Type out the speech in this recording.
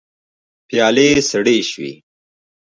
پيالې سړې شوې.